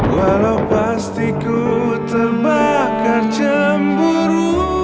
walaupun pasti ku terbakar cemburu